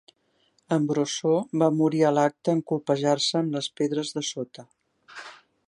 En Brosseau va morir a l'acte en colpejar-se amb les pedres de sota.